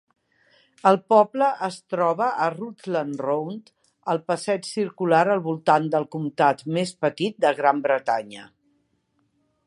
El poble es troba a Rutland Round, el passeig circular al voltant del comtat més petit de Gran Bretanya.